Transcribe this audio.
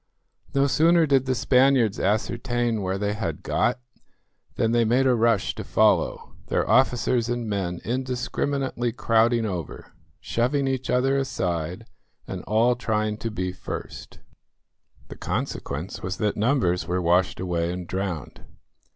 No sooner did the Spaniards ascertain where they had got, than they made a rush to follow; their officers and men indiscriminately crowding over, shoving each other aside, and all trying to be first. The consequence was that numbers were washed away and drowned.